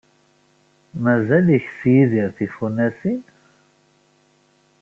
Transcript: Mazal ikess Yidir tifunasin?